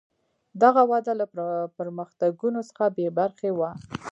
دغه وده له پرمختګونو څخه بې برخې وه.